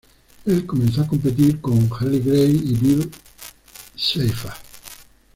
Él comenzó a competir en Henley Gray y Bill Seifert.